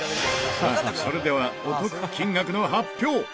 さあ、それではお得金額の発表！